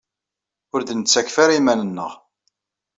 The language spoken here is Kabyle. Ur d-nettakf ara iman-nneɣ.